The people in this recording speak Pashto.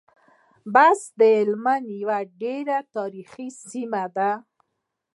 بُست د هلمند يوه ډېره تاريخي سیمه ده.